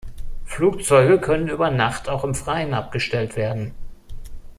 Flugzeuge können über Nacht auch im Freien abgestellt werden.